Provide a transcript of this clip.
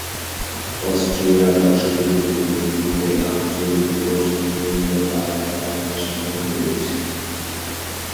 অস্ট্রিয়ার পার্শ্ববর্তী দেশগুলিতে আঞ্চলিক ও সাময়িকভাবে আলাদা আলাদা সম্পর্ক রয়েছে।